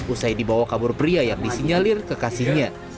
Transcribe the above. usai dibawa kabur pria yang disinyalir kekasihnya